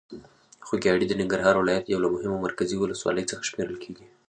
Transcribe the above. خوږیاڼي د ننګرهار ولایت یو له مهمو مرکزي ولسوالۍ څخه شمېرل کېږي.